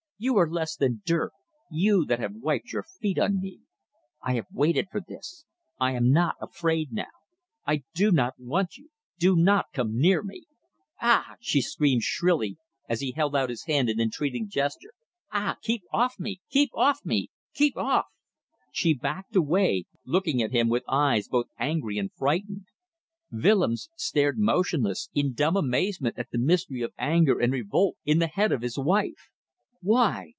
You are less than dirt, you that have wiped your feet on me. I have waited for this. I am not afraid now. I do not want you; do not come near me. Ah h!" she screamed shrilly, as he held out his hand in an entreating gesture "Ah! Keep off me! Keep off me! Keep off!" She backed away, looking at him with eyes both angry and frightened. Willems stared motionless, in dumb amazement at the mystery of anger and revolt in the head of his wife. Why?